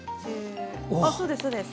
そうですそうです。